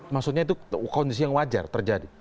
maksudnya itu kondisi yang wajar terjadi